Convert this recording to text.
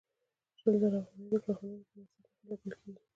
شل زره افغانۍ د کارخانې په مصارفو لګول کېږي